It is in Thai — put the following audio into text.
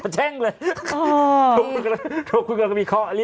แช่งเลยโทรคุณกันแล้วก็มีข้อรีบบอก